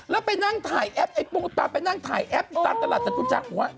แล้วไปนั่งถ่ายแอปค์ไอ้ผมตาไปนั่งถ่ายแอป็ตลาดจักรจากหัว